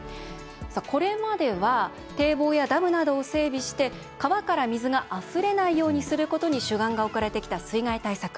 これまでは堤防やダムなどを整備して川から水があふれないようにすることに主眼が置かれてきた水害対策。